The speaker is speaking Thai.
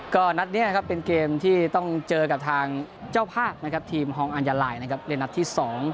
ก็นัทนี้เป็นเกมที่ต้องเจอกับทางเจ้าพากทีมฮองอัญยาลัยในนัทที่๒